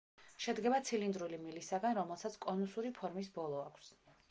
შედგება ცილინდრული მილისაგან, რომელსაც კონუსური ფორმის ბოლო აქვს.